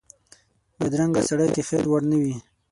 بدرنګه سړی د خیر وړ نه وي